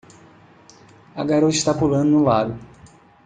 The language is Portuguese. A garota está pulando no lago.